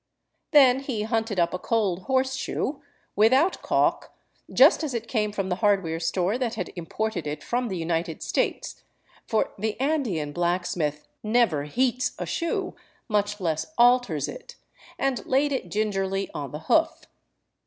Then he hunted up a cold horseshoe, without caulk, just as it came from the hardware store that had imported it from the United States — for the Andean black smith never heats a shoe, much less alters it — and laid it gingerly on the hoof.